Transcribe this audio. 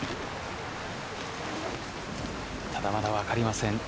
まだまだ分かりません。